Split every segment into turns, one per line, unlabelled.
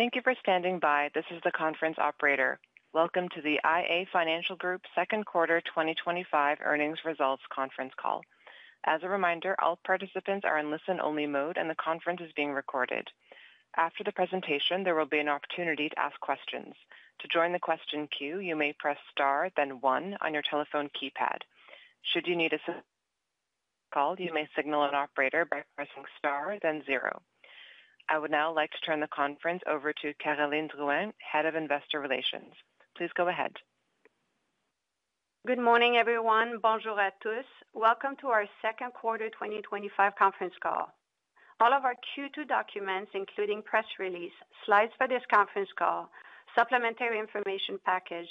Thank you for standing by. This is the conference operator. Welcome to the iA Financial Group's second quarter 2025 earnings results conference call. As a reminder, all participants are in listen-only mode, and the conference is being recorded. After the presentation, there will be an opportunity to ask questions. To join the question queue, you may press star, then one on your telephone keypad. Should you need assistance during the call, you may signal an operator by pressing star, then zero. I would now like to turn the conference over to Caroline Drouin, Head of Investor Relations. Please go ahead.
Good morning, everyone. Bonjour à tous. Welcome to our second quarter 2025 conference call. All of our Q2 documents, including press release, slides for this conference call, supplementary information package,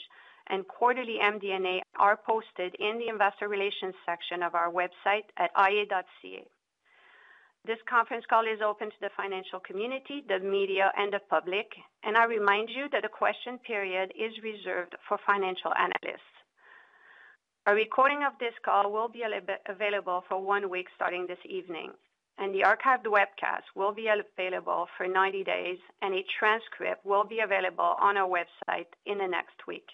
and quarterly MD&A are posted in the investor relations section of our website at ia.ca. This conference call is open to the financial community, the media, and the public, and I remind you that the question period is reserved for financial analysts. A recording of this call will be available for one week starting this evening, and the archived webcast will be available for 90 days, and a transcript will be available on our website in the next week.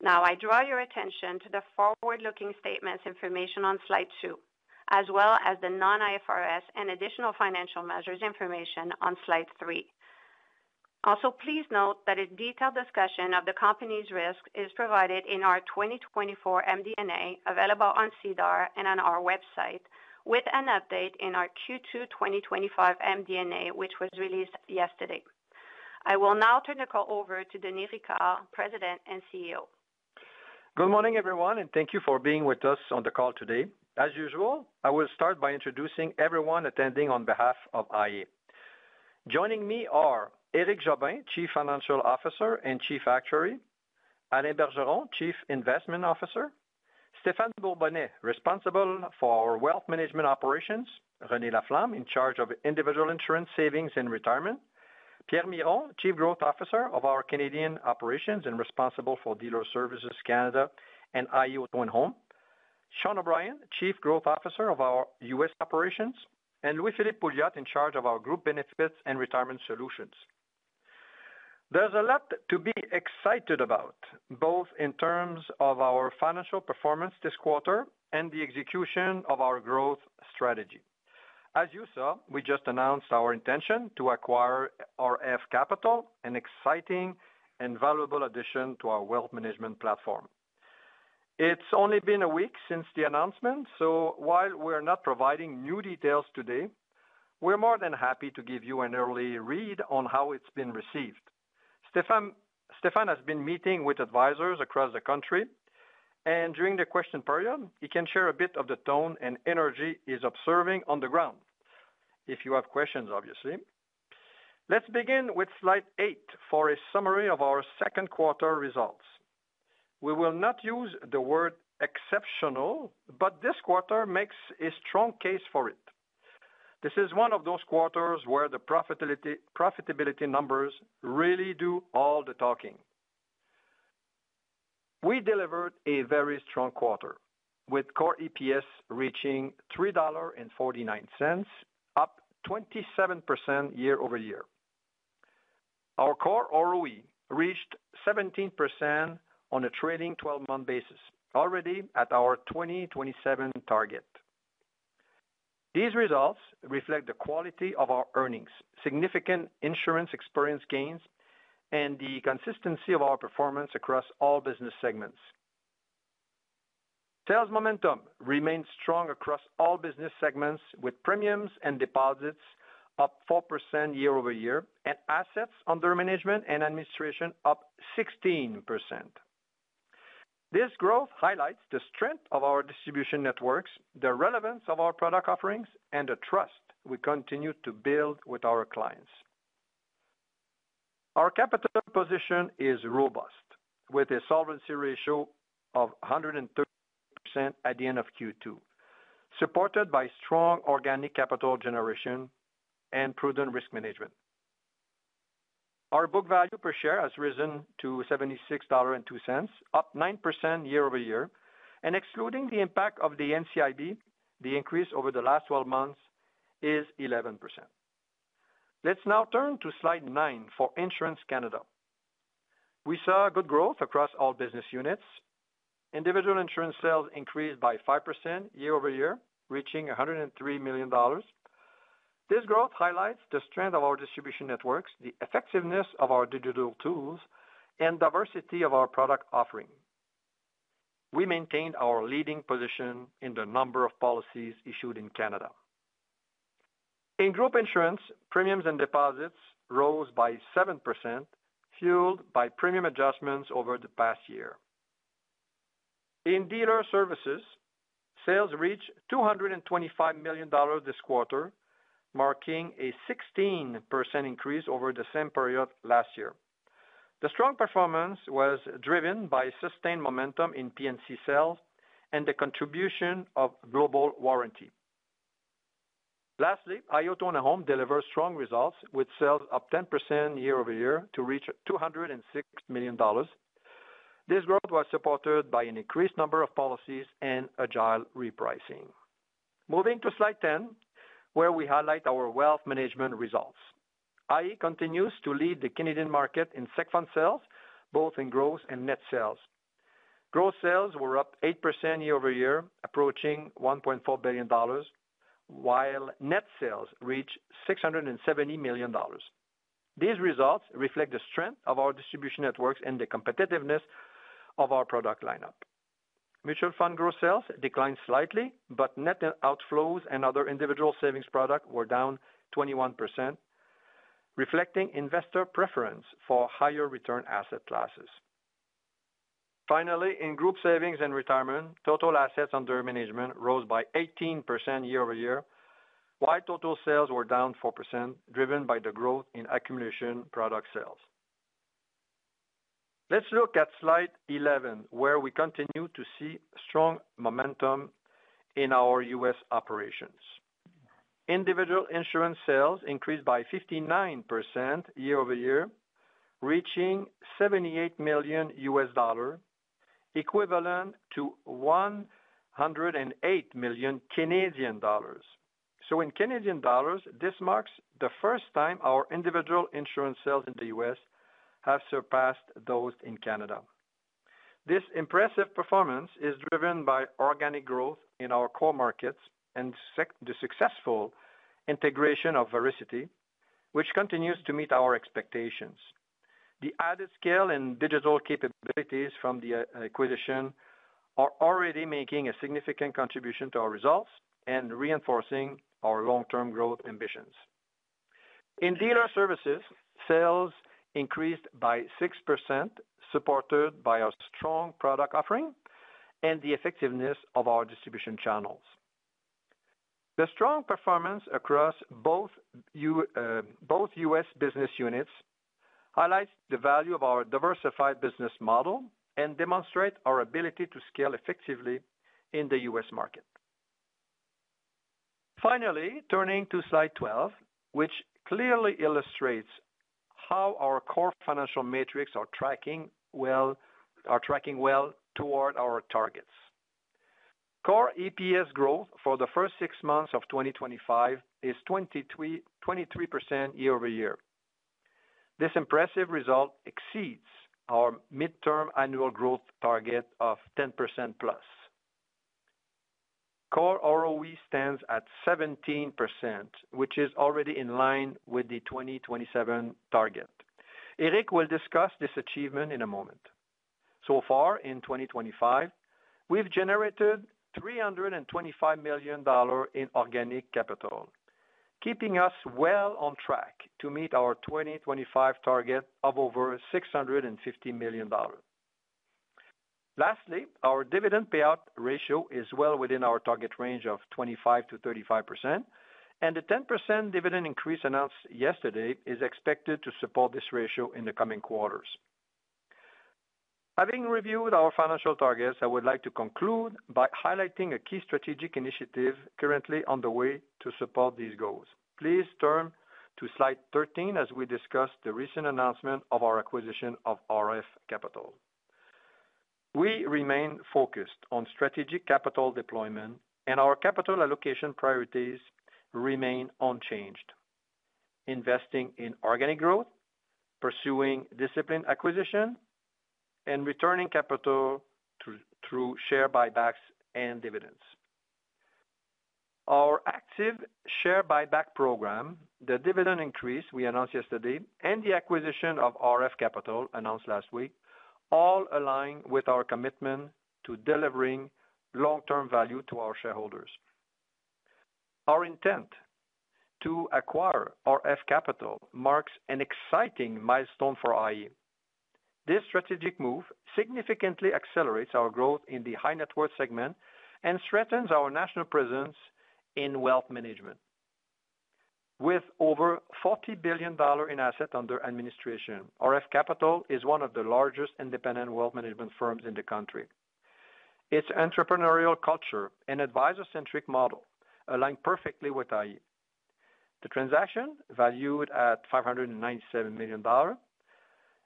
Now, I draw your attention to the forward-looking statements information on slide two, as well as the Non-IFRS and additional financial measures information on slide three. Also, please note that a detailed discussion of the company's risk is provided in our 2024 MD&A available on SEDAR and on our website, with an update in our Q2 2025 MD&A, which was released yesterday. I will now turn the call over to Denis Ricard, President and CEO.
Good morning, everyone, and thank you for being with us on the call today. As usual, I will start by introducing everyone attending on behalf of iA. Joining me are Éric Jobin, Chief Financial Officer and Chief Actuary; Alain Bergeron, Chief Investment Officer; Stephan Bourbonnais, Responsible for Wealth Management Operations; Renée Laflamme, in charge of Individual Insurance, Savings, and Retirement; Pierre Miron, Chief Growth Officer of our Canadian operations and responsible for Dealer Services Canada and iA Auto & Home; Sean O'Brien, Chief Growth Officer of our U.S. operations; and Louis-Philippe Pouliot, in charge of our Group Benefits and Retirement Solutions. There's a lot to be excited about, both in terms of our financial performance this quarter and the execution of our growth strategy. As you saw, we just announced our intention to acquire RF Capital, an exciting and valuable addition to our Wealth Management platform. It's only been a week since the announcement, so while we're not providing new details today, we're more than happy to give you an early read on how it's been received. Stephan has been meeting with advisors across the country, and during the question period, he can share a bit of the tone and energy he's observing on the ground. If you have questions, obviously. Let's begin with slide eight for a summary of our second quarter results. We will not use the word exceptional, but this quarter makes a strong case for it. This is one of those quarters where the profitability numbers really do all the talking. We delivered a very strong quarter, with Core EPS reaching 3.49 dollar, up 27% year-over-year. Our Core ROE reached 17% on a trailing 12-month basis, already at our 2027 target. These results reflect the quality of our earnings, significant insurance experience gains, and the consistency of our performance across all business segments. Sales momentum remains strong across all business segments, with premiums and deposits up 4% year-over-year, and assets under management and administration up 16%. This growth highlights the strength of our distribution networks, the relevance of our product offerings, and the trust we continue to build with our clients. Our capital position is robust, with a Solvency Ratio of 130% at the end of Q2, supported by strong organic capital generation and prudent risk management. Our book value per share has risen to 76.02 dollars, up 9% year-over-year, and excluding the impact of the NCID, the increase over the last 12 months is 11%. Let's now turn to slide nine for Insurance-Canada. We saw good growth across all business units. Individual insurance sales increased by 5% year-over-year, reaching 103 million dollars. This growth highlights the strength of our distribution networks, the effectiveness of our digital tools, and the diversity of our product offering. We maintained our leading position in the number of policies issued in Canada. In group insurance, premiums and deposits rose by 7%, fueled by premium adjustments over the past year. In dealer services, sales reached 225 million dollars this quarter, marking a 16% increase over the same period last year. The strong performance was driven by sustained momentum in P&C sales and the contribution of Global Warranty. Lastly, iA Auto & Home delivered strong results with sales up 10% year-over-year to reach 206 million dollars. This growth was supported by an increased number of policies and agile repricing. Moving to slide 10, where we highlight our wealth management results. iA continues to lead the Canadian market in segment sales, both in gross and net sales. Gross sales were up 8% year-over-year, approaching 1.4 billion dollars, while net sales reached 670 million dollars. These results reflect the strength of our distribution networks and the competitiveness of our product lineup. Mutual fund gross sales declined slightly, but net outflows in other individual savings products were down 21%, reflecting investor preference for higher return asset classes. Finally, in group savings and retirement, total assets under management rose by 18% year-over-year, while total sales were down 4%, driven by the growth in accumulation product sales. Let's look at slide 11, where we continue to see strong momentum in our U.S. operations. Individual insurance sales increased by 59% year-over-year, reaching $78 million, equivalent to 108 million Canadian dollars. In Canadian dollars, this marks the first time our individual insurance sales in the U.S. have surpassed those in Canada. This impressive performance is driven by organic growth in our core markets and the successful integration of Vericity, which continues to meet our expectations. The added scale and digital capabilities from the acquisition are already making a significant contribution to our results and reinforcing our long-term growth ambitions. In Dealer Services, sales increased by 6%, supported by a strong product offering and the effectiveness of our distribution channels. The strong performance across both U.S. business units highlights the value of our diversified business model and demonstrates our ability to scale effectively in the U.S. market. Finally, turning to slide 12, which clearly illustrates how our core financial metrics are tracking well toward our targets. Core EPS growth for the first six months of 2025 is 23% year-over-year. This impressive result exceeds our midterm annual growth target of 10% plus. Core ROE stands at 17%, which is already in line with the 2027 target. Éric will discuss this achievement in a moment. So far, in 2025, we've generated 325 million dollars in organic capital, keeping us well on track to meet our 2025 target of over 650 million dollars. Lastly, our dividend payout ratio is well within our target range of 25%- 35%, and the 10% dividend increase announced yesterday is expected to support this ratio in the coming quarters. Having reviewed our financial targets, I would like to conclude by highlighting a key strategic initiative currently underway to support these goals. Please turn to slide 13 as we discuss the recent announcement of our acquisition of RF Capital. We remain focused on strategic capital deployment, and our capital allocation priorities remain unchanged, investing in organic growth, pursuing disciplined acquisition, and returning capital through share buybacks and dividends. Our active share buyback program, the dividend increase we announced yesterday, and the acquisition of RF Capital announced last week all align with our commitment to delivering long-term value to our shareholders. Our intent to acquire RF Capital marks an exciting milestone for iA. This strategic move significantly accelerates our growth in the high-net-worth segment and strengthens our national presence in Wealth Management. With over 40 billion dollars in assets under administration, RF Capital is one of the largest independent wealth management firms in the country. Its entrepreneurial culture and advisor-centric model align perfectly with iA. The transaction, valued at 597 million dollars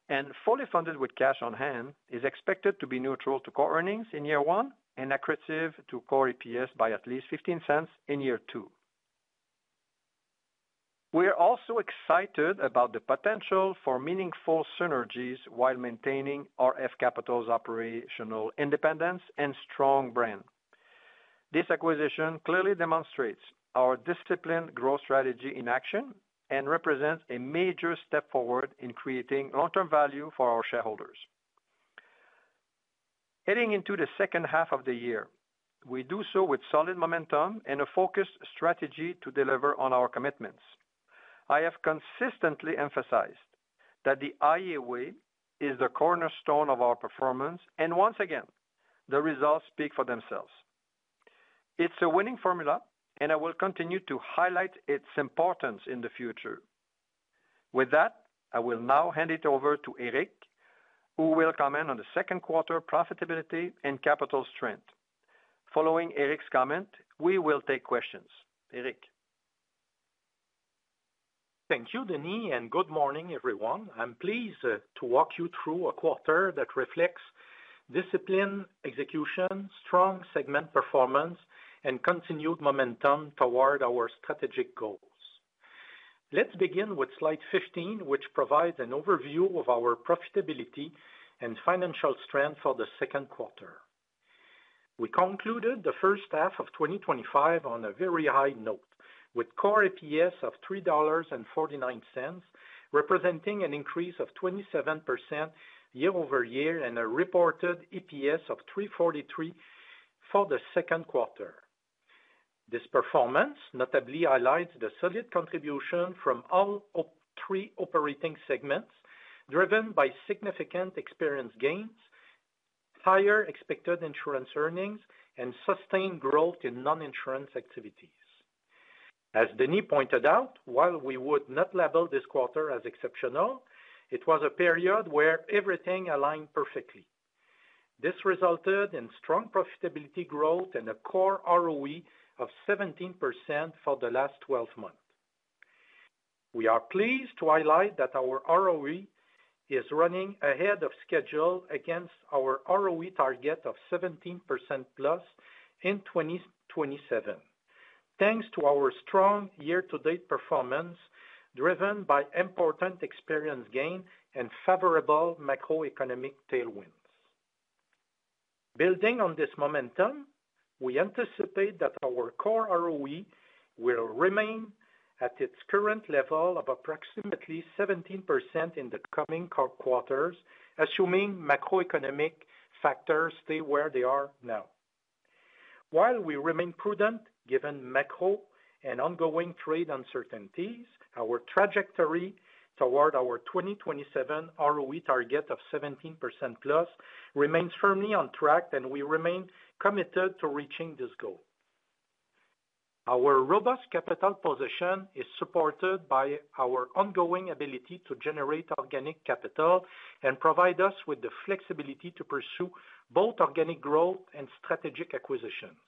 and fully funded with cash on hand, is expected to be neutral to core earnings in year one and accretive to Core EPS by at least 0.15 in year two. We're also excited about the potential for meaningful synergies while maintaining RF Capital's operational independence and strong brand. This acquisition clearly demonstrates our disciplined growth strategy in action and represents a major step forward in creating long-term value for our shareholders. Heading into the second half of the year, we do so with solid momentum and a focused strategy to deliver on our commitments. I have consistently emphasized that the iA way is the cornerstone of our performance, and once again, the results speak for themselves. It's a winning formula, and I will continue to highlight its importance in the future. With that, I will now hand it over to Éric, who will comment on the second quarter profitability and capital strength. Following Éric's comment, we will take questions. Éric.
Thank you, Denis, and good morning, everyone. I'm pleased to walk you through a quarter that reflects discipline, execution, strong segment performance, and continued momentum toward our strategic goals. Let's begin with slide 15, which provides an overview of our profitability and financial strength for the second quarter. We concluded the first half of 2025 on a very high note, with Core EPS of 3.49 dollars, representing an increase of 27% year-over-year and a reported EPS of 3.43 for the second quarter. This performance notably highlights the solid contribution from all three operating segments, driven by significant experience gains, higher expected insurance earnings, and sustained growth in non-insurance activities. As Denis pointed out, while we would not label this quarter as exceptional, it was a period where everything aligned perfectly. This resulted in strong profitability growth and a Core ROE of 17% for the last 12 months. We are pleased to highlight that our ROE is running ahead of schedule against our ROE target of 17%+ in 2027, thanks to our strong year-to-date performance driven by important experience gains and favorable macroeconomic tailwinds. Building on this momentum, we anticipate that our Core ROE will remain at its current level of approximately 17% in the coming quarters, assuming macroeconomic factors stay where they are now. While we remain prudent given macro and ongoing trade uncertainties, our trajectory toward our 2027 ROE target of 17%+ remains firmly on track, and we remain committed to reaching this goal. Our robust capital position is supported by our ongoing ability to generate organic capital and provide us with the flexibility to pursue both organic growth and strategic acquisitions.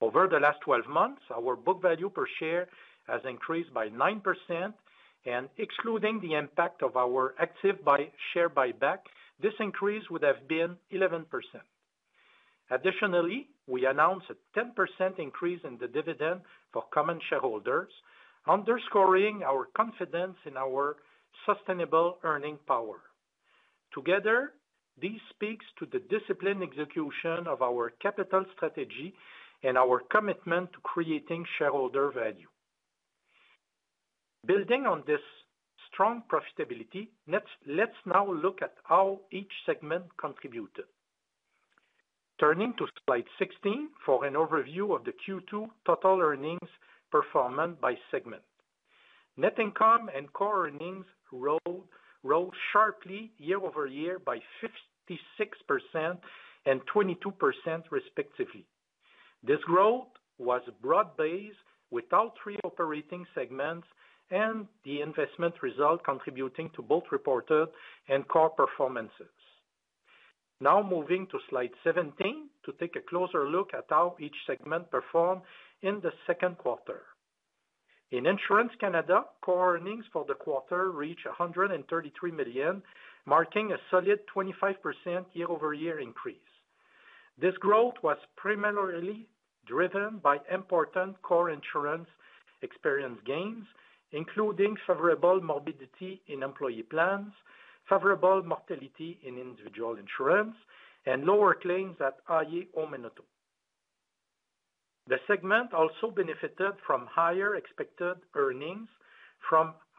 Over the last 12 months, our book value per share has increased by 9%, and excluding the impact of our active share buyback, this increase would have been 11%. Additionally, we announced a 10% increase in the dividend for common shareholders, underscoring our confidence in our sustainable earning power. Together, this speaks to the disciplined execution of our capital strategy and our commitment to creating shareholder value. Building on this strong profitability, let's now look at how each segment contributed. Turning to slide 16 for an overview of the Q2 total earnings performance by segment. Net income and core earnings rose sharply year-over-year by 66% and 22% respectively. This growth was broad-based with all three operating segments and the investment result contributing to both reported and core performances. Now moving to slide 17 to take a closer look at how each segment performed in the second quarter. In Insurance-Canada, core earnings for the quarter reached 133 million, marking a solid 25% year-over-year increase. This growth was primarily driven by important core insurance experience gains, including favorable morbidity in employee plans, favorable mortality in individual insurance, and lower claims iA Auto & Home. The segment also benefited from higher expected iA Auto &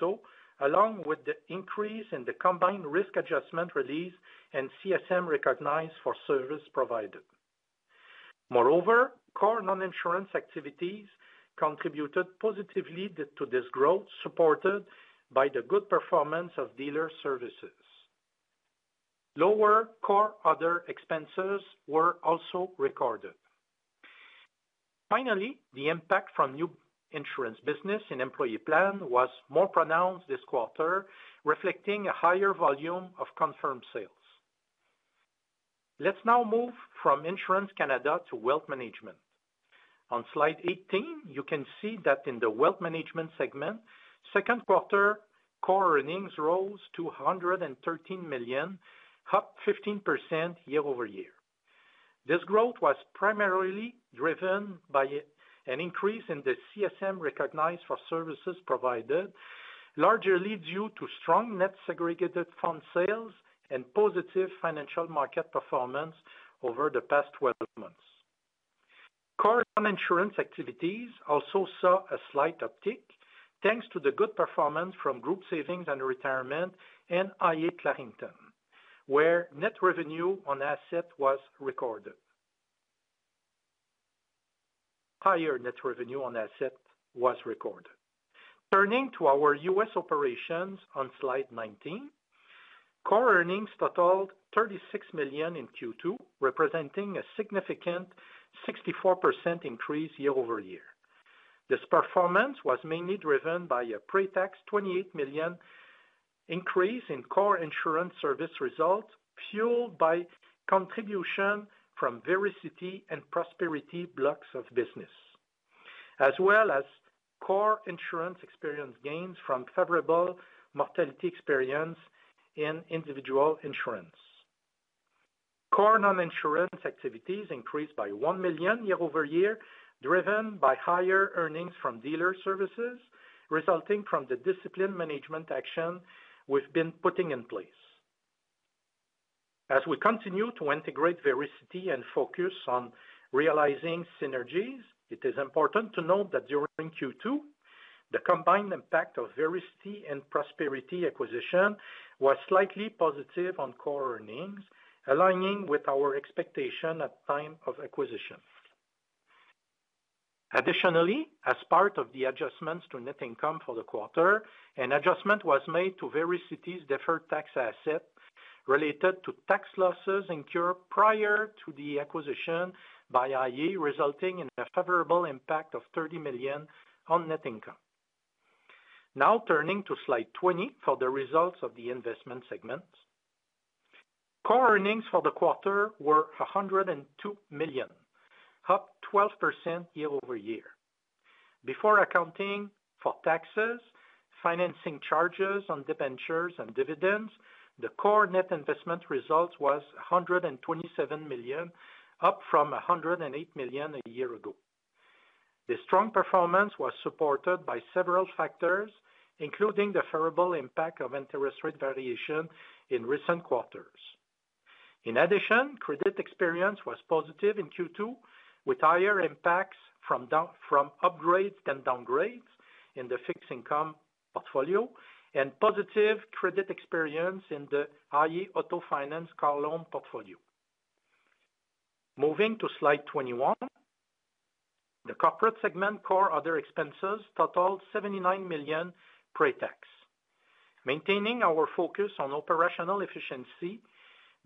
Home, along with the increase in the combined risk adjustment release and CSM recognized for service provided. Moreover, core non-insurance activities contributed positively to this growth, supported by the good performance of dealer services. Lower core other expenses were also recorded. Finally, the impact from new insurance business in employee plans was more pronounced this quarter, reflecting a higher volume of confirmed sales. Let's now move from Insurance-Canada to Wealth Management. On slide 18, you can see that in the Wealth Management segment, the second quarter core earnings rose to 113 million, up 15% year-over-year. This growth was primarily driven by an increase in the CSM recognized for services provided, largely due to strong net segregated fund sales and positive financial market performance over the past 12 months. Core non-insurance activities also saw a slight uptick, thanks to the good performance from Group Savings and Retirement and iA Clarington, where net revenue on assets was recorded. Higher net revenue on assets was recorded. Turning to our U.S. operations on slide 19, core earnings totaled 36 million in Q2, representing a significant 64% increase year-over-year. This performance was mainly driven by a pretax 28 million increase in core insurance service results, fueled by contribution from Vericity and Prosperity blocks of business, as well as core insurance experience gains from favorable mortality experience in individual insurance. Core non-insurance activities increased by 1 million year-over-year, driven by higher earnings from dealer services, resulting from the discipline management action we've been putting in place. As we continue to integrate Vericity and focus on realizing synergies, it is important to note that during Q2, the combined impact of the Vericity and Prosperity acquisition was slightly positive on core earnings, aligning with our expectation at the time of acquisition. Additionally, as part of the adjustments to net income for the quarter, an adjustment was made to Vericity's deferred tax assets related to tax losses incurred prior to the acquisition by iA, resulting in a favorable impact of 30 million on net income. Now turning to slide 20 for the results of the investment segment. Core earnings for the quarter were 102 million, up 12% year-over-year. Before accounting for taxes, financing charges on debentures, and dividends, the core net investment result was 127 million, up from 108 million a year ago. The strong performance was supported by several factors, including the favorable impact of interest rate variation in recent quarters. In addition, credit experience was positive in Q2, with higher impacts from upgrades than downgrades in the fixed income portfolio and positive credit experience in the iA Auto-Finance car loan portfolio. Moving to slide 21, the corporate segment core other expenses totaled 79 million pretax. Maintaining our focus on operational efficiency,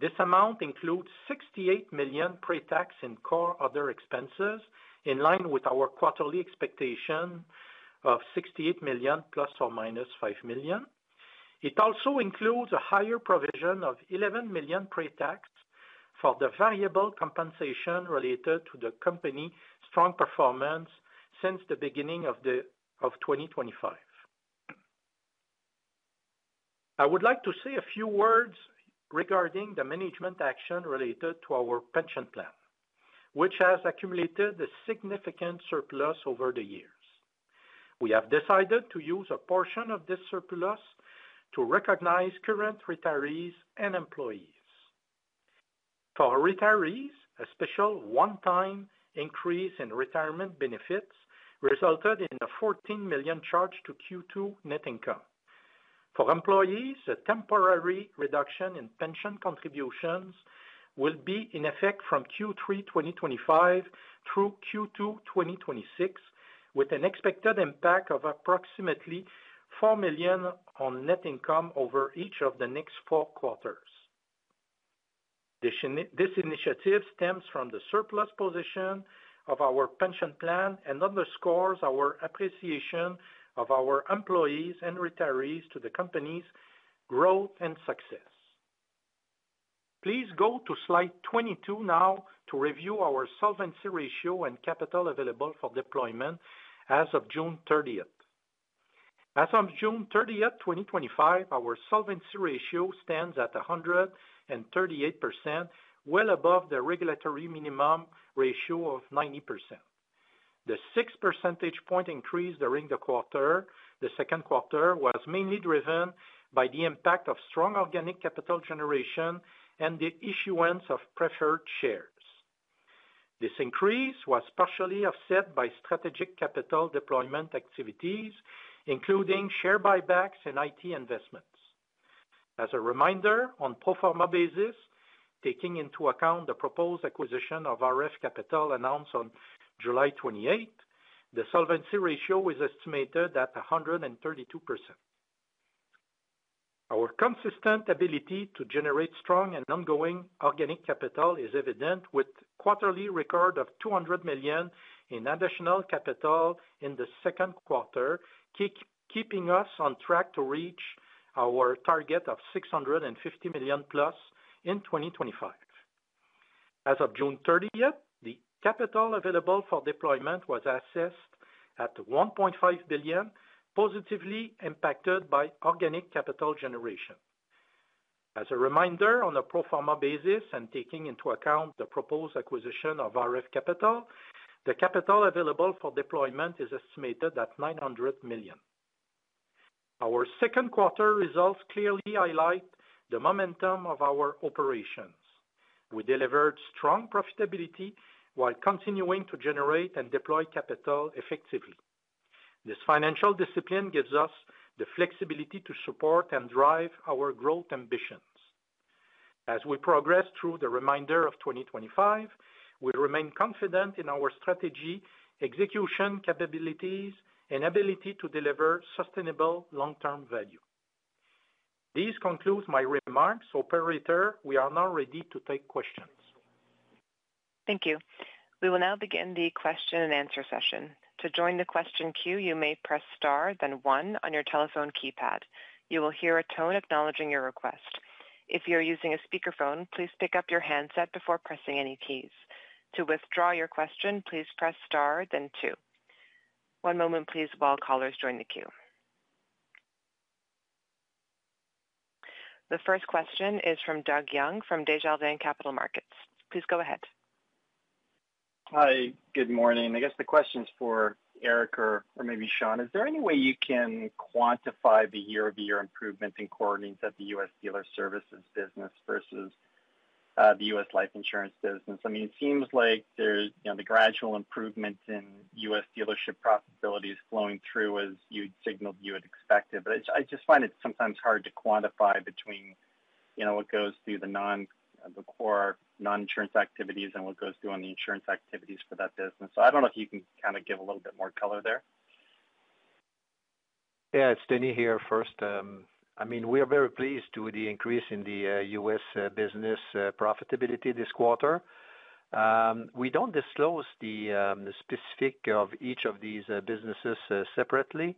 this amount includes 68 million pretax in core other expenses, in line with our quarterly expectation of 68 million plus or minus 5 million. It also includes a higher provision of 11 million pretax for the variable compensation related to the company's strong performance since the beginning of 2025. I would like to say a few words regarding the management action related to our pension plan, which has accumulated a significant surplus over the years. We have decided to use a portion of this surplus to recognize current retirees and employees. For retirees, a special one-time increase in retirement benefits resulted in a 14 million charge to Q2 net income. For employees, a temporary reduction in pension contributions will be in effect from Q3 2025 through Q2 2026, with an expected impact of approximately 4 million on net income over each of the next four quarters. This initiative stems from the surplus position of our pension plan and underscores our appreciation of our employees and retirees to the company's growth and success. Please go to slide 22 now to review our Solvency Ratio and capital available for deployment as of June 30. As of June 30, 2025, our Solvency Ratio stands at 138%, well above the regulatory minimum ratio of 90%. The 6% point increase during the second quarter was mainly driven by the impact of strong organic capital generation and the issuance of preferred shares. This increase was partially offset by strategic capital deployment activities, including share buybacks and IT investments. As a reminder, on a pro forma basis, taking into account the proposed acquisition of RF Capital. announced on July 28, the Solvency Ratio is estimated at 132%. Our consistent ability to generate strong and ongoing organic capital is evident with a quarterly record of 200 million in additional capital in the second quarter, keeping us on track to reach our target of 650 million plus in 2025. As of June 30, the capital available for deployment was assessed at 1.5 billion, positively impacted by organic capital generation. As a reminder, on a pro forma basis and taking into account the proposed acquisition of RF Capital., the capital available for deployment is estimated at 900 million. Our second quarter results clearly highlight the momentum of our operations. We delivered strong profitability while continuing to generate and deploy capital effectively. This financial discipline gives us the flexibility to support and drive our growth ambitions. As we progress through the remainder of 2025, we remain confident in our strategy, execution capabilities, and ability to deliver sustainable long-term value. These conclude my remarks. Operator, we are now ready to take questions.
Thank you. We will now begin the question and answer session. To join the question queue, you may press star, then one on your telephone keypad. You will hear a tone acknowledging your request. If you are using a speakerphone, please pick up your handset before pressing any keys. To withdraw your question, please press star, then two. One moment, please, while callers join the queue. The first question is from Doug Young from Desjardins Capital Markets. Please go ahead.
Hi, good morning. I guess the question is for Éric or maybe Sean. Is there any way you can quantify the year-over-year improvements in core earnings at the U.S. dealer services business versus the U.S. life insurance business? I mean, it seems like there's, you know, the gradual improvement in U.S. dealership profitability is flowing through, as you'd signaled you had expected. I just find it sometimes hard to quantify between, you know, what goes through the non-core non-insurance activities and what goes through on the insurance activities for that business. I don't know if you can kind of give a little bit more color there.
Yeah, it's Denis here first. I mean, we are very pleased with the increase in the U.S. business profitability this quarter. We don't disclose the specifics of each of these businesses separately.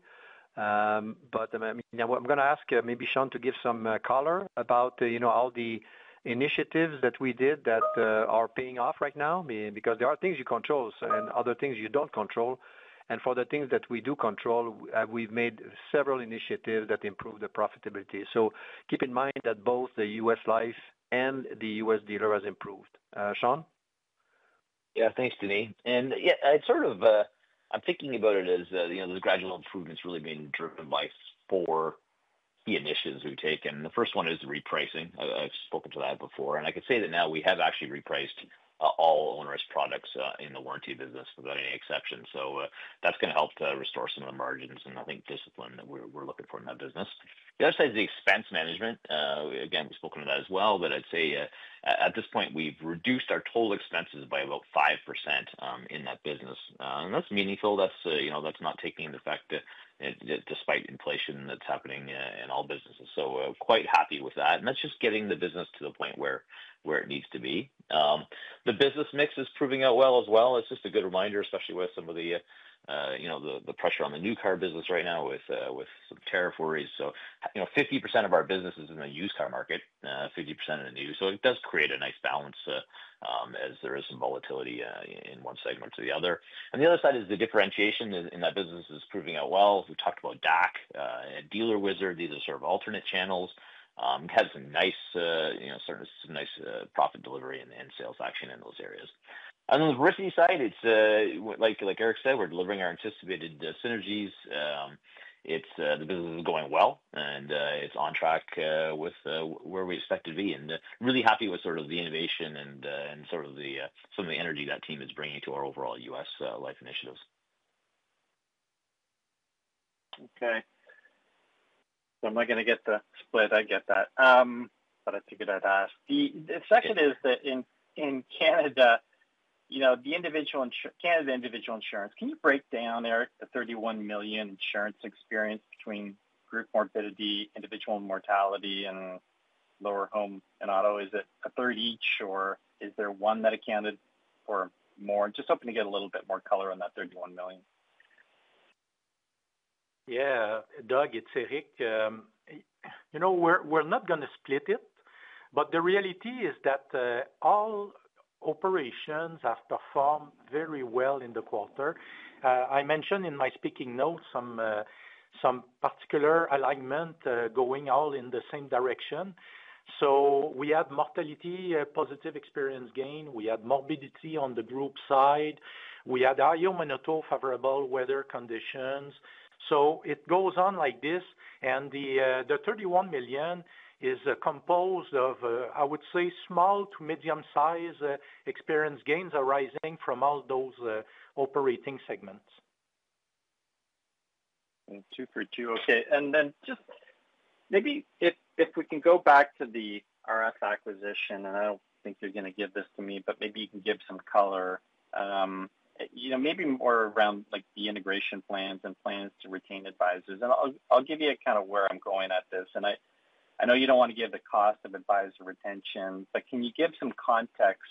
I'm going to ask maybe Sean to give some color about, you know, all the initiatives that we did that are paying off right now because there are things you control and other things you don't control. For the things that we do control, we've made several initiatives that improve the profitability. Keep in mind that both the U.S. life and the U.S. dealer has improved. Sean?
Yeah, thanks, Denis. I sort of, I'm thinking about it as, you know, those gradual improvements really being driven by four key initiatives we've taken. The first one is the repricing. I've spoken to that before. I could say that now we have actually repriced all onerous products in the warranty business without any exception. That's going to help to restore some of the margins and I think discipline that we're looking for in that business. The other side is the expense management. Again, we've spoken to that as well. I'd say at this point, we've reduced our total expenses by about 5% in that business. That's meaningful. That's not taking into effect despite inflation that's happening in all businesses. Quite happy with that. That's just getting the business to the point where it needs to be. The business mix is proving out well as well. It's just a good reminder, especially with some of the pressure on the new car business right now with some tariff worries. You know, 50% of our business is in the used car market, 50% in the new. It does create a nice balance as there is some volatility in one segment to the other. The other side is the differentiation in that business is proving out well. We talked about DAC and DealerWizard. These are sort of alternate channels. It has some nice profit delivery and sales action in those areas. On the Vericity side, it's, like Éric said, we're delivering our anticipated synergies. The business is going well and it's on track with where we expect to be. Really happy with sort of the innovation and some of the energy that team is bringing to our overall U.S. life initiatives.
Okay. I'm not going to get the split. I get that. I figured I'd ask. The second is that in Canada, you know, the individual Canada individual insurance, can you break down, Éric, the 31 million insurance experience between group morbidity, individual mortality, and lower home and auto? Is it a third each or is there one that accounted for more? I'm just hoping to get a little bit more color on that 31 million.
Yeah, Doug, it's Éric. You know, we're not going to split it. The reality is that all operations have performed very well in the quarter. I mentioned in my speaking notes some particular alignment going all in the same direction. We had mortality positive experience gain. We had morbidity on the group side. iA Auto & Home favorable weather conditions. It goes on like this. The 31 million is composed of, I would say, small to medium-sized experience gains arising from all those operating segments.
Two for two. Okay. If we can go back to the RF acquisition, and I don't think you're going to give this to me, but maybe you can give some color. Maybe more around the integration plans and plans to retain advisors. I'll give you kind of where I'm going at this. I know you don't want to give the cost of advisor retention, but can you give some context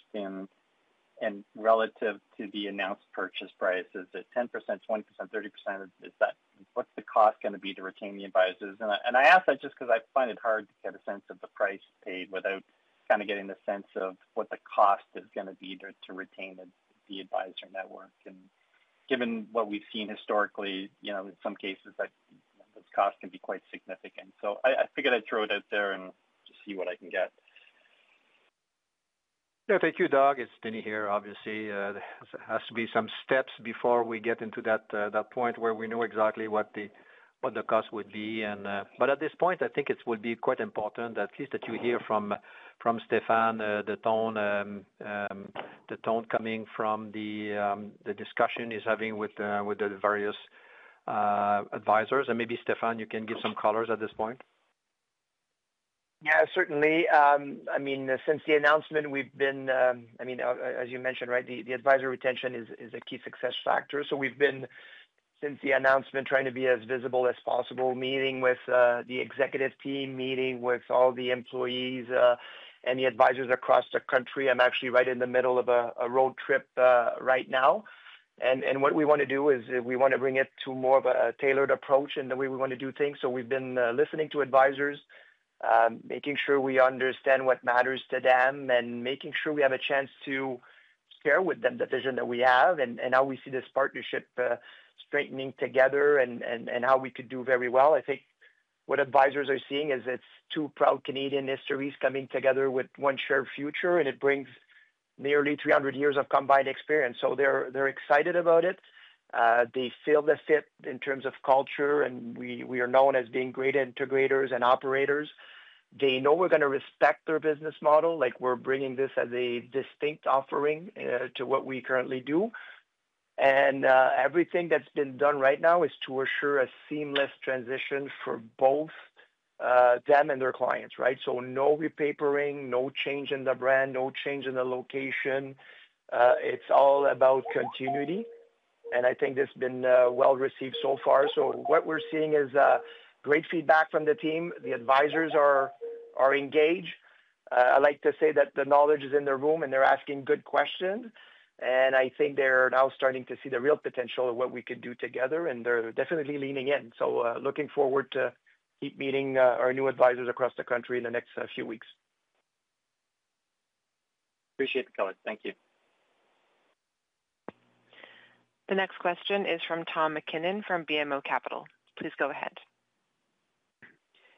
relative to the announced purchase price? Is it 10%, 20%, 30%? What's the cost going to be to retain the advisors? I ask that just because I find it hard to get a sense of the price paid without getting a sense of what the cost is going to be to retain the advisor network. Given what we've seen historically, in some cases, those costs can be quite significant. I figured I'd throw it out there and see what I can get.
Yeah, thank you, Doug. It's Denis here, obviously. There has to be some steps before we get into that point where we know exactly what the cost would be. At this point, I think it would be quite important at least that you hear from Stephan the tone coming from the discussion he's having with the various advisors. Maybe, Stephan, you can give some colors at this point?
Yeah, certainly. I mean, since the announcement, we've been, as you mentioned, right, the advisor retention is a key success factor. We've been, since the announcement, trying to be as visible as possible, meeting with the executive team, meeting with all the employees and the advisors across the country. I'm actually right in the middle of a road trip right now. What we want to do is we want to bring it to more of a tailored approach in the way we want to do things. We've been listening to advisors, making sure we understand what matters to them, and making sure we have a chance to share with them the vision that we have and how we see this partnership strengthening together and how we could do very well. I think what advisors are seeing is it's two proud Canadian histories coming together with one shared future, and it brings nearly 300 years of combined experience. They're excited about it. They feel the fit in terms of culture, and we are known as being great integrators and operators. They know we're going to respect their business model. We're bringing this as a distinct offering to what we currently do. Everything that's been done right now is to assure a seamless transition for both them and their clients, right? No repapering, no change in the brand, no change in the location. It's all about continuity. I think it's been well received so far. What we're seeing is great feedback from the team. The advisors are engaged. I like to say that the knowledge is in the room, and they're asking good questions. I think they're now starting to see the real potential of what we could do together, and they're definitely leaning in. Looking forward to meeting our new advisors across the country in the next few weeks.
Appreciate the call. Thank you.
The next question is from Tom MacKinnon from BMO Capital. Please go ahead.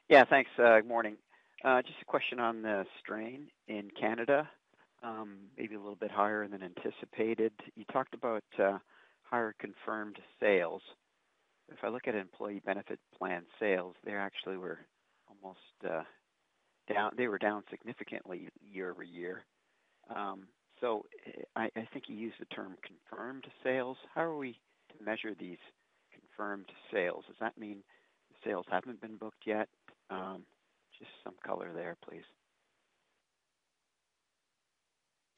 Yeah, thanks. Good morning. Just a question on the strain in Canada, maybe a little bit higher than anticipated. You talked about higher confirmed sales. If I look at employee benefit plan sales, they actually were almost down. They were down significantly year-over-year. I think you used the term confirmed sales. How are we to measure these confirmed sales? Does that mean the sales haven't been booked yet? Just some color there, please.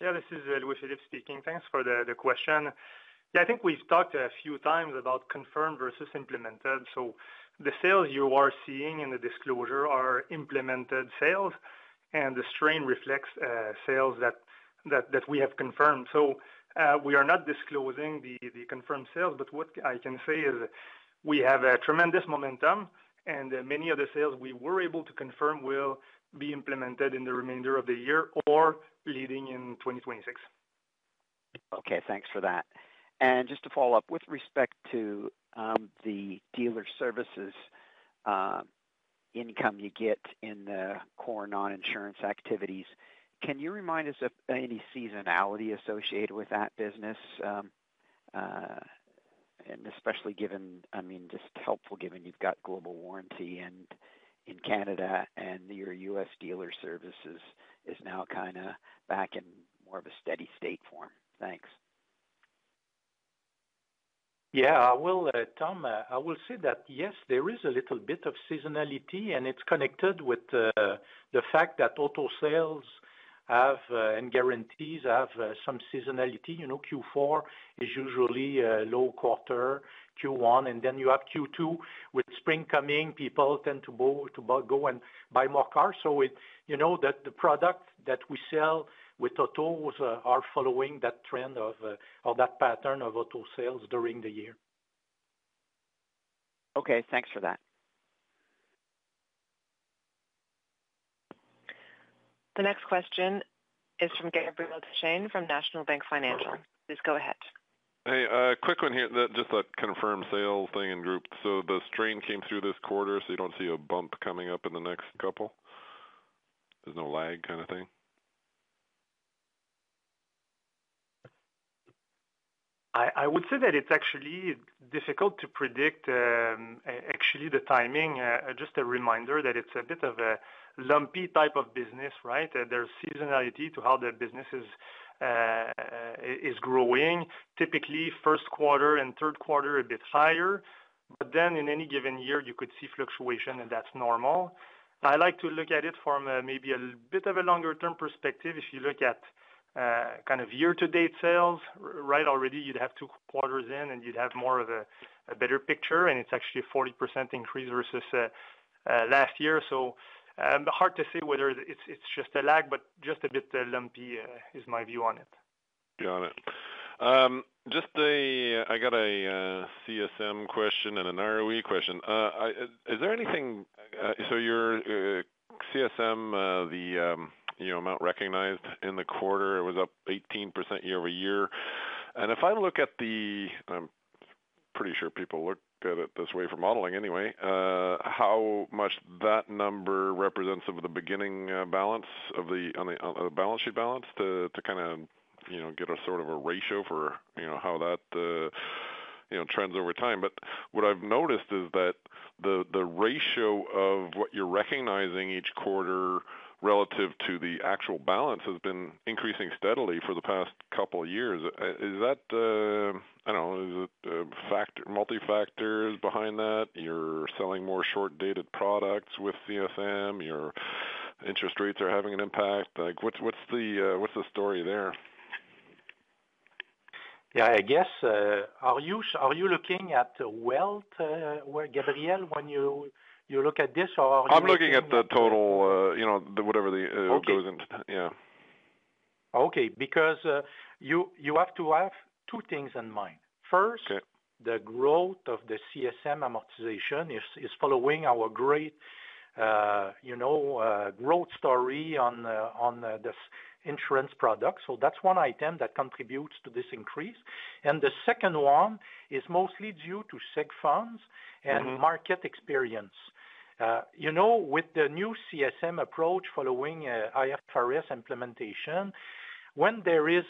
Yeah, this is Éric speaking. Thanks for the question. I think we've talked a few times about confirmed versus implemented. The sales you are seeing in the disclosure are implemented sales, and the strain reflects sales that we have confirmed. We are not disclosing the confirmed sales, but what I can say is we have tremendous momentum, and many of the sales we were able to confirm will be implemented in the remainder of the year or leading in 2026.
Okay, thanks for that. Just to follow up with respect to the dealer services income you get in the core non-insurance activities, can you remind us of any seasonality associated with that business? Especially given, I mean, just helpful given you've got Global Warranty in Canada, and your U.S. dealer services is now kind of back in more of a steady state form. Thanks.
Yeah, I will, Tom. I will say that yes, there is a little bit of seasonality, and it's connected with the fact that auto sales and guarantees have some seasonality. Q4 is usually a low quarter, Q1, and then you have Q2. With spring coming, people tend to go and buy more cars. You know that the product that we sell with autos is following that trend of that pattern of auto sales during the year.
Okay, thanks for that.
The next question is from Gabriel Dechaine from National Bank Financial. Please go ahead.
Hey, quick one here. Just that confirmed sale thing in Group. The strain came through this quarter, so you don't see a bump coming up in the next couple? There's no lag kind of thing?
I would say that it's actually difficult to predict the timing. Just a reminder that it's a bit of a lumpy type of business, right? There's seasonality to how the business is growing. Typically, first quarter and third quarter are a bit higher, but in any given year, you could see fluctuation, and that's normal. I like to look at it from maybe a bit of a longer-term perspective. If you look at kind of year-to-date sales, right, already you'd have two quarters in, and you'd have more of a better picture, and it's actually a 40% increase versus last year. It's hard to say whether it's just a lag, but just a bit lumpy is my view on it.
Just the, I got a CSM question and an ROE question. Is there anything, so your CSM, the amount recognized in the quarter, it was up 18% year-over-year. If I look at the, I'm pretty sure people look at it this way for modeling anyway, how much that number represents of the beginning balance of the balance sheet balance to kind of, you know, get a sort of a ratio for, you know, how that, you know, trends over time. What I've noticed is that the ratio of what you're recognizing each quarter relative to the actual balance has been increasing steadily for the past couple of years. Is that, I don't know, is it a factor, multi-factors behind that? You're selling more short-dated products with CSM. Your interest rates are having an impact. What's the story there?
Yeah, I guess, are you looking at Wealth, Gabriel, when you look at this, or are you?
I'm looking at the total, you know, whatever that goes into.
Okay, because you have to have two things in mind. First, the growth of the CSM amortization is following our great, you know, growth story on this insurance product. That's one item that contributes to this increase. The second one is mostly due to seg funds and market experience. You know, with the new CSM approach following IFRS implementation, when there is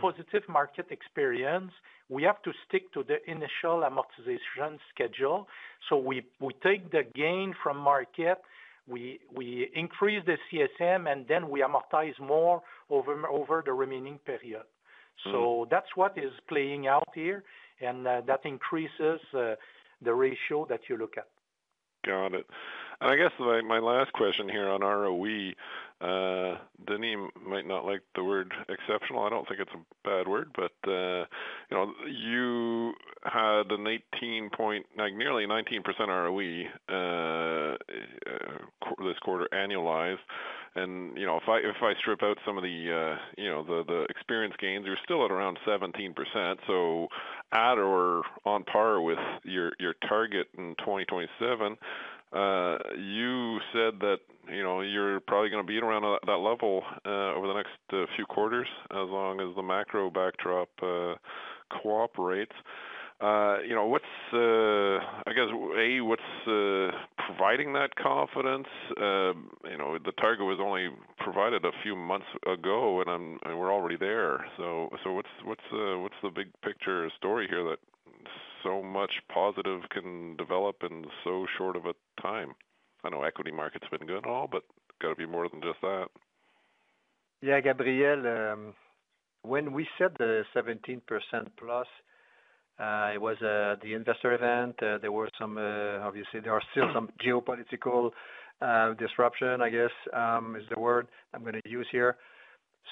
positive market experience, we have to stick to the initial amortization schedule. We take the gain from market, we increase the CSM, and then we amortize more over the remaining period. That's what is playing out here, and that increases the ratio that you look at.
Got it. I guess my last question here on ROE, Denis might not like the word exceptional. I don't think it's a bad word, but you had an 18 point, nearly 19% ROE this quarter annualized. If I strip out some of the experience gains, you're still at around 17%. At or on par with your target in 2027. You said that you're probably going to beat around that level over the next few quarters as long as the macro backdrop cooperates. What's, I guess, A, what's providing that confidence? The target was only provided a few months ago, and we're already there. What's the big picture story here that so much positive can develop in so short of a time? I know equity markets have been good and all, but it's got to be more than just that.
Yeah, Gabriel, when we said the 17%+, it was the investor event. There were some, obviously, there are still some geopolitical disruption, I guess, is the word I'm going to use here.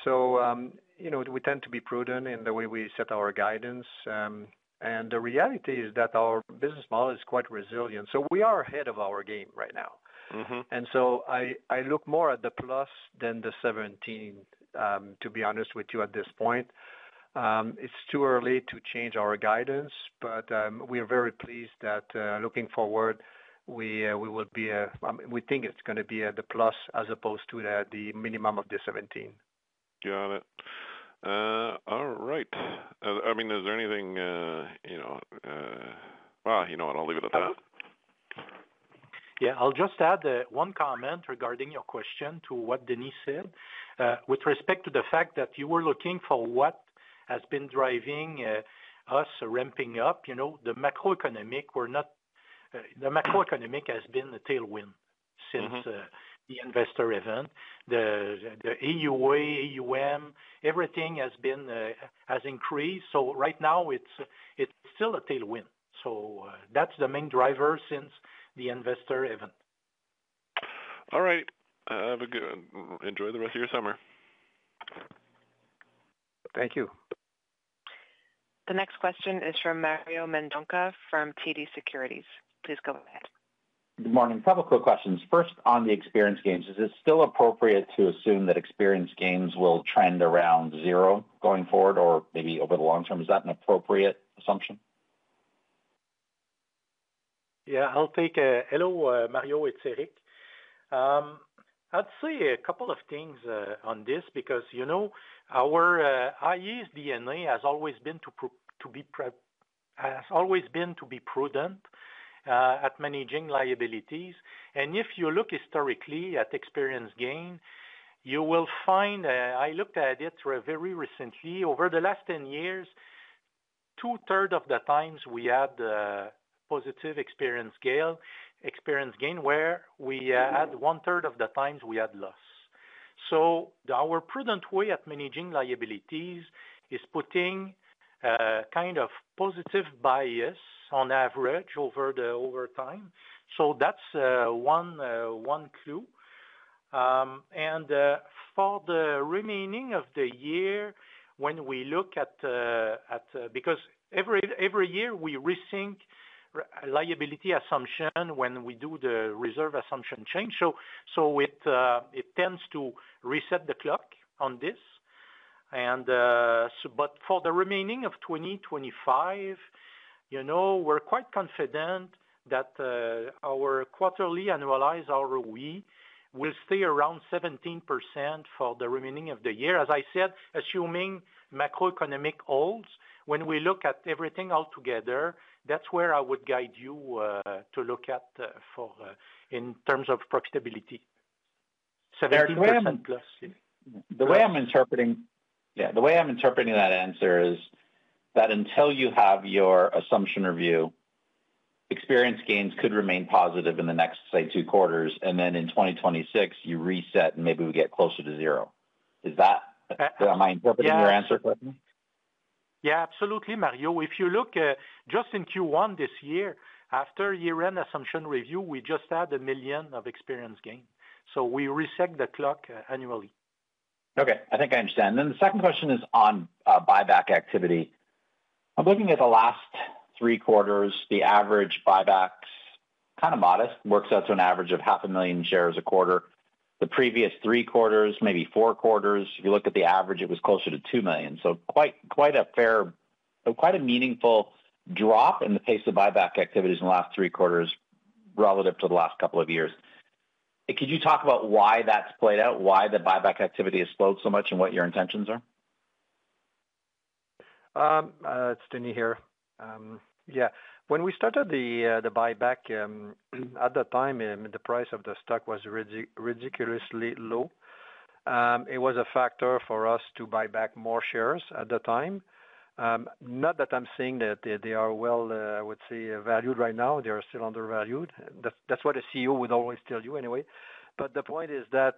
We tend to be prudent in the way we set our guidance. The reality is that our business model is quite resilient. We are ahead of our game right now. I look more at the plus than the 17%, to be honest with you at this point. It's too early to change our guidance, but we are very pleased that looking forward, we will be, we think it's going to be at the plus as opposed to the minimum of the 17%.
Got it. All right. Is there anything, you know what, I'll leave it at that.
Yeah, I'll just add one comment regarding your question to what Denis said with respect to the fact that you were looking for what has been driving us ramping up. The macroeconomic has been a tailwind since the investor event. The AUA, AUM, everything has increased. Right now, it's still a tailwind. That's the main driver since the investor event.
All right. Have a good one, enjoy the rest of your summer.
Thank you.
The next question is from Mario Mendonca from TD Securities. Please go ahead.
Good morning. A couple of quick questions. First, on the experience gains, is it still appropriate to assume that experience gains will trend around zero going forward or maybe over the long term? Is that an appropriate assumption?
Yeah, I'll take a hello, Mario, it's Éric. I'd say a couple of things on this because, you know, iA's DNA has always been to be prudent at managing liabilities. If you look historically at experience gain, you will find I looked at it very recently. Over the last 10 years, 2/3 of the times we had positive experience gain, where we had one-third of the times we had loss. Our prudent way at managing liabilities is putting kind of positive bias on average over time. That's one clue. For the remaining of the year, when we look at, because every year we rethink liability assumption when we do the reserve assumption change, it tends to reset the clock on this. For the remaining of 2025, you know, we're quite confident that our quarterly annualized ROE will stay around 17% for the remaining of the year. As I said, assuming macroeconomic holds, when we look at everything altogether, that's where I would guide you to look at for in terms of profitability. 17%+.
The way I'm interpreting that answer is that until you have your assumption review, experience gains could remain positive in the next, say, two quarters. In 2026, you reset and maybe we get closer to zero. Is that, am I interpreting your answer correctly?
Yeah, absolutely, Mario. If you look just in Q1 this year, after year-end assumption review, we just had 1 million of experience gains. We reset the clock annually.
Okay, I think I understand. The second question is on buyback activity. I'm looking at the last three quarters, the average buybacks, kind of modest, works out to an average of half a million shares a quarter. The previous three quarters, maybe four quarters, if you look at the average, it was closer to 2 million. Quite a fair, quite a meaningful drop in the pace of buyback activities in the last three quarters relative to the last couple of years. Could you talk about why that's played out, why the buyback activity has slowed so much, and what your intentions are?
It's Denis here. When we started the buyback, at the time, the price of the stock was ridiculously low. It was a factor for us to buy back more shares at the time. Not that I'm saying that they are, I would say, valued right now. They are still undervalued. That's what a CEO would always tell you anyway. The point is that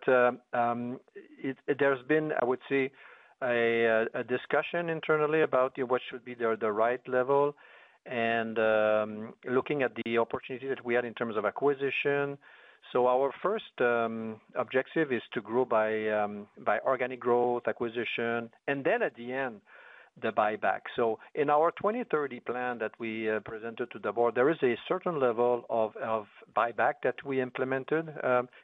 there's been, I would say, a discussion internally about what should be the right level and looking at the opportunity that we had in terms of acquisition. Our first objective is to grow by organic growth, acquisition, and then at the end, the buyback. In our 2030 plan that we presented to the board, there is a certain level of buyback that we implemented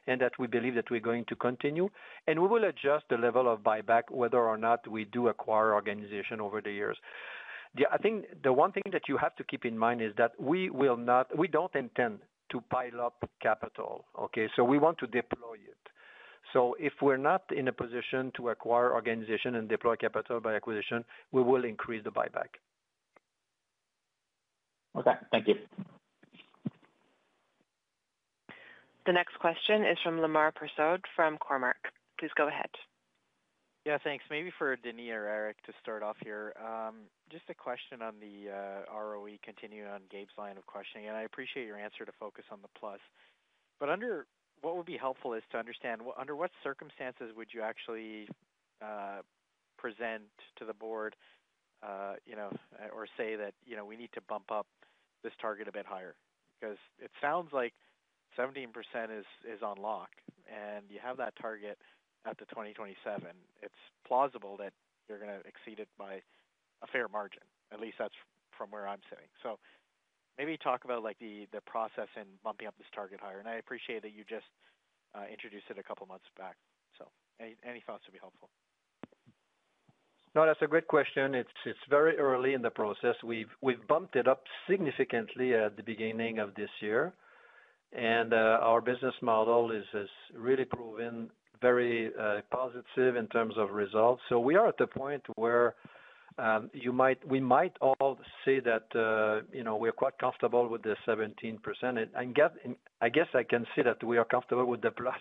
and that we believe that we're going to continue. We will adjust the level of buyback whether or not we do acquire organization over the years. I think the one thing that you have to keep in mind is that we will not, we don't intend to pile up capital. We want to deploy it. If we're not in a position to acquire organization and deploy capital by acquisition, we will increase the buyback.
Okay, thank you.
The next question is from Lemar Persaud from Cormark. Please go ahead.
Yeah, thanks. Maybe for Denis or Éric Jobin to start off here. Just a question on the ROE, continuing on Gabe's line of questioning. I appreciate your answer to focus on the plus. What would be helpful is to understand under what circumstances would you actually present to the board, you know, or say that, you know, we need to bump up this target a bit higher? It sounds like 17% is on lock, and you have that target out to 2027. It's plausible that you're going to exceed it by a fair margin, at least that's from where I'm sitting. Maybe talk about the process in bumping up this target higher. I appreciate that you just introduced it a couple of months back. Any thoughts would be helpful?
No, that's a great question. It's very early in the process. We've bumped it up significantly at the beginning of this year, and our business model has really proven very positive in terms of results. We are at the point where we might all say that, you know, we're quite comfortable with the 17%. I guess I can say that we are comfortable with the plus,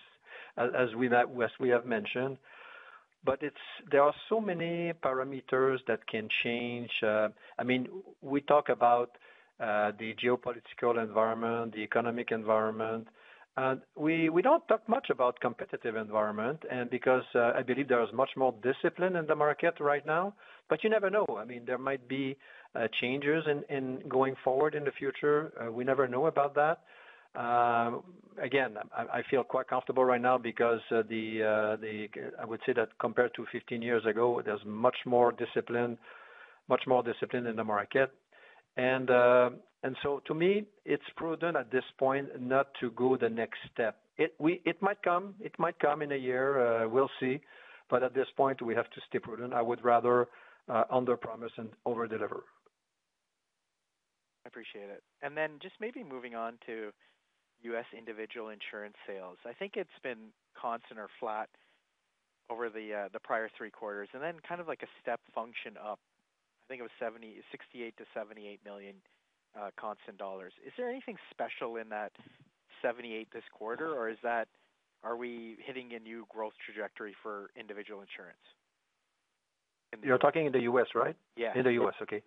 as we have mentioned. There are so many parameters that can change. I mean, we talk about the geopolitical environment, the economic environment. We don't talk much about the competitive environment because I believe there is much more discipline in the market right now, but you never know. There might be changes going forward in the future. We never know about that. Again, I feel quite comfortable right now because I would say that compared to 15 years ago, there's much more discipline, much more discipline in the market. To me, it's prudent at this point not to go the next step. It might come, it might come in a year. We'll see. At this point, we have to stay prudent. I would rather under-promise and over-deliver.
I appreciate it. Just maybe moving on to U.S. individual insurance sales. I think it's been constant or flat over the prior three quarters, then kind of like a step function up. I think it was 68 million to 78 million constant dollars. Is there anything special in that 78 million this quarter, or are we hitting a new growth trajectory for individual insurance?
You're talking in the U.S., right? Yeah. In the U.S., okay.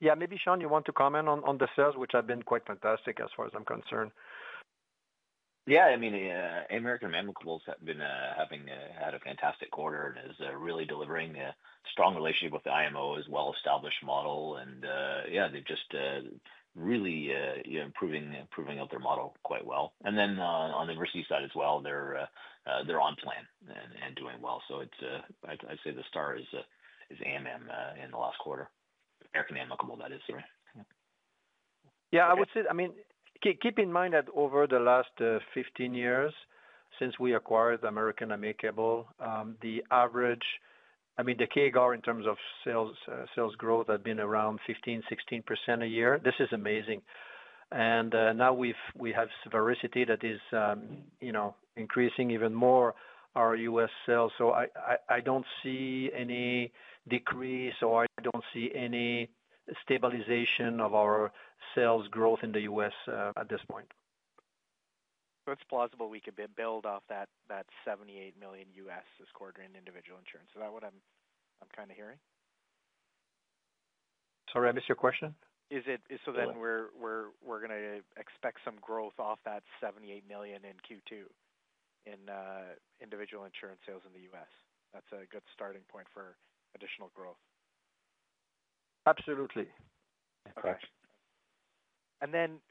Yeah, maybe Sean, you want to comment on the sales, which have been quite fantastic as far as I'm concerned.
Yeah, I mean, American-Amicable have been having a fantastic quarter and is really delivering a strong relationship with the IMO, as well-established model. They've just really improving up their model quite well. On the Vericity side as well, they're on plan and doing well. I'd say the star is AMM in the last quarter. American-Amicable, that is, right?
Yeah, I would say, keep in mind that over the last 15 years, since we acquired American-Amicable, the average, I mean, the CAGR in terms of sales growth had been around 15%, 16% a year. This is amazing. Now we have Vericity that is, you know, increasing even more our U.S. sales. I don't see any decrease or I don't see any stabilization of our sales growth in the U.S. at this point.
It's plausible we could build off that $78 million this quarter in Individual Insurance. Is that what I'm kind of hearing?
Sorry, I missed your question.
We're going to expect some growth off that $78 million in Q2 in Individual Insurance sales in the U.S. That's a good starting point for additional growth.
Absolutely.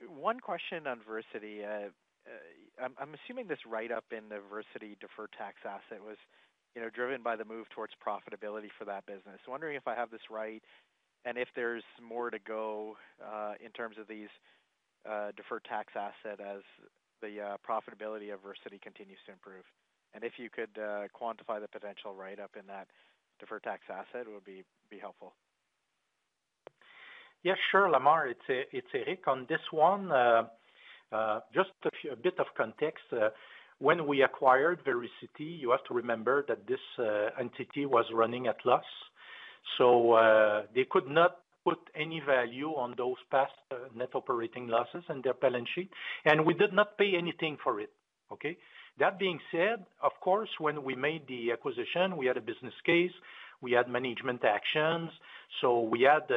One question on Vericity. I'm assuming this write-up in the Vericity deferred tax asset was, you know, driven by the move towards profitability for that business. I'm wondering if I have this right and if there's more to go in terms of these deferred tax assets as the profitability of Vericity continues to improve. If you could quantify the potential write-up in that deferred tax asset, it would be helpful.
Yeah, sure, Lemar, it's Éric. On this one, just a bit of context. When we acquired Vericity, you have to remember that this entity was running at a loss. They could not put any value on those past net operating losses in their balance sheet. We did not pay anything for it. That being said, of course, when we made the acquisition, we had a business case. We had management actions. We had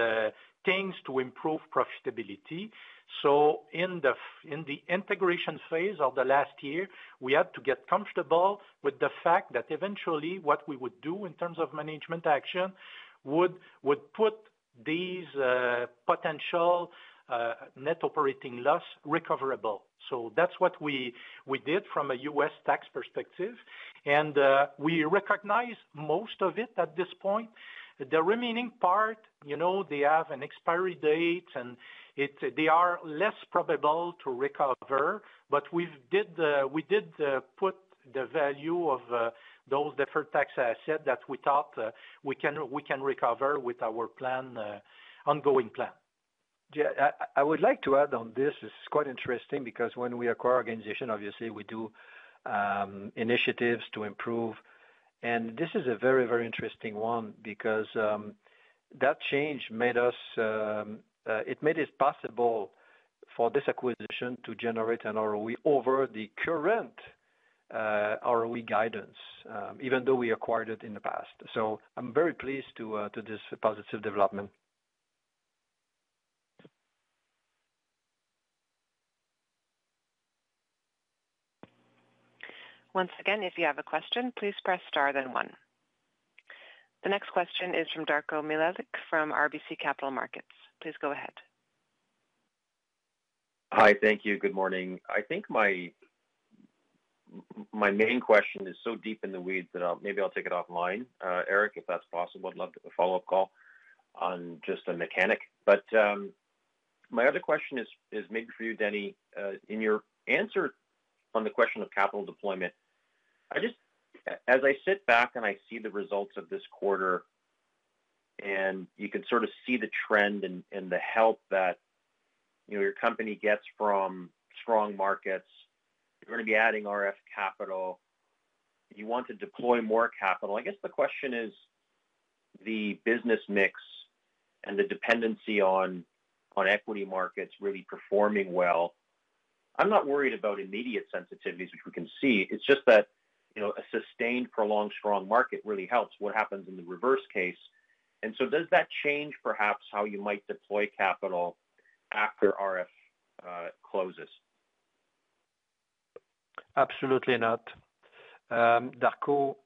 things to improve profitability. In the integration phase of the last year, we had to get comfortable with the fact that eventually what we would do in terms of management action would put these potential net operating loss recoverable. That's what we did from a U.S. tax perspective. We recognize most of it at this point. The remaining part, they have an expiry date and they are less probable to recover. We did put the value of those deferred tax assets that we thought we can recover with our ongoing plan.
I would like to add on this. This is quite interesting because when we acquire an organization, obviously we do initiatives to improve. This is a very, very interesting one because that change made it possible for this acquisition to generate an ROE over the current ROE guidance, even though we acquired it in the past. I'm very pleased to this positive development.
Once again, if you have a question, please press star then one. The next question is from Darko Milevic from RBC Capital Markets. Please go ahead.
Hi, thank you. Good morning. I think my main question is so deep in the weeds that maybe I'll take it offline. Éric, if that's possible, I'd love to have a follow-up call on just a mechanic. My other question is maybe for you, Denis, in your answer on the question of capital deployment. As I sit back and I see the results of this quarter, and you could sort of see the trend and the help that your company gets from strong markets. You're going to be adding RF Capital. You want to deploy more capital. I guess the question is the business mix and the dependency on equity markets really performing well. I'm not worried about immediate sensitivities, which we can see. It's just that a sustained, prolonged, strong market really helps. What happens in the reverse case? Does that change perhaps how you might deploy capital after RF closes?
Absolutely not. Darko,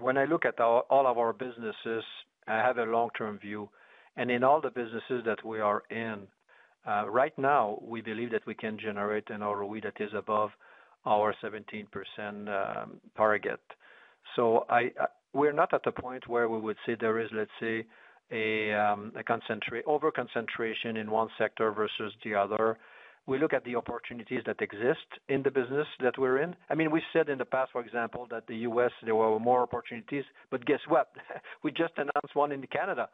when I look at all of our businesses, I have a long-term view. In all the businesses that we are in right now, we believe that we can generate an ROE that is above our 17% target. We're not at the point where we would say there is, let's say, an overconcentration in one sector versus the other. We look at the opportunities that exist in the business that we're in. I mean, we said in the past, for example, that in the U.S., there were more opportunities, but guess what? We just announced one in Canada.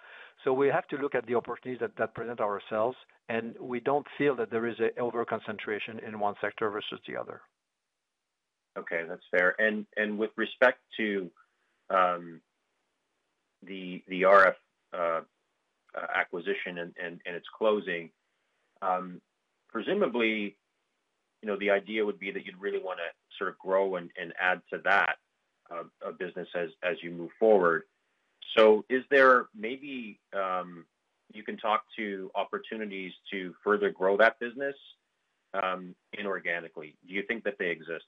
We have to look at the opportunities that present ourselves, and we don't feel that there is an overconcentration in one sector versus the other.
Okay, that's fair. With respect to the RF. acquisition and its closing, presumably, you know, the idea would be that you'd really want to sort of grow and add to that business as you move forward. Is there maybe you can talk to opportunities to further grow that business inorganically? Do you think that they exist?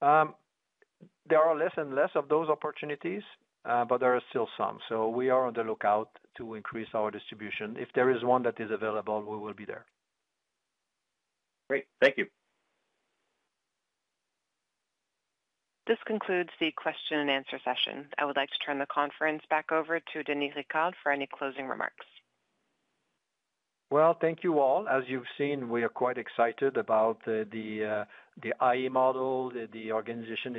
There are fewer and fewer of those opportunities, but there are still some. We are on the lookout to increase our distribution. If there is one that is available, we will be there.
Great, thank you.
This concludes the question and answer session. I would like to turn the conference back over to Denis Ricard for any closing remarks.
Thank you all. As you've seen, we are quite excited about the iA model. The organization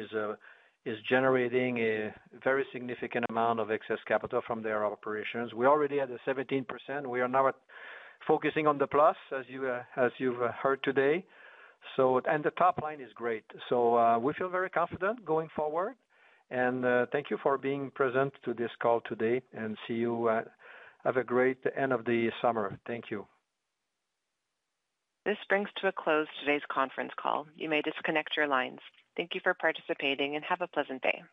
is generating a very significant amount of excess capital from their operations. We already had a 17%. We are now focusing on the plus, as you've heard today. The top line is great. We feel very confident going forward. Thank you for being present to this call today. See you, have a great end of the summer. Thank you.
This brings to a close today's conference call. You may disconnect your lines. Thank you for participating, and have a pleasant day.